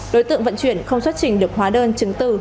đối tượng vận chuyển không xuất trình được hóa đơn chứng từ